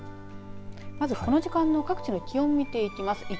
まずこの時間の各地の気温を見ていきます。